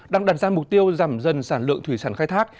đang đặt ra mục tiêu giảm dần sản lượng thủy sản khai thác